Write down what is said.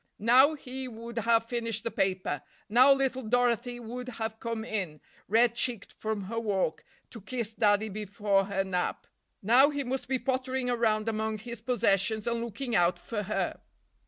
Now he would have finished the paper—now little Dorothy would have come in, red cheeked from her walk, to kiss daddy before her nap—now he must be pottering around among his possessions and looking out for her.